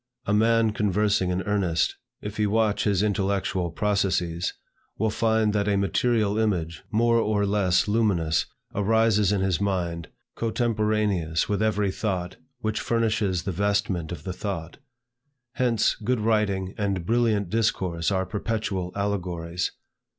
A man conversing in earnest, if he watch his intellectual processes, will find that a material image, more or less luminous, arises in his mind, cotemporaneous with every thought, which furnishes the vestment of the thought. Hence, good writing and brilliant discourse are perpetual allegories.